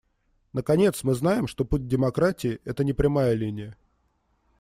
Наконец, мы знаем, что путь к демократии — это не прямая линия.